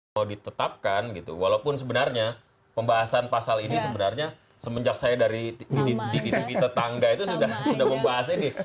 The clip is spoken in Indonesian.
mau ditetapkan gitu walaupun sebenarnya pembahasan pasal ini sebenarnya semenjak saya dari di tv tetangga itu sudah membahas ini